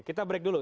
kita break dulu